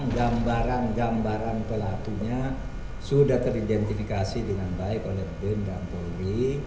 gambaran gambaran pelakunya sudah teridentifikasi dengan baik oleh bin dan polri